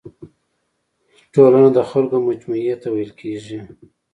ټولنه د خلکو مجموعي ته ويل کيږي.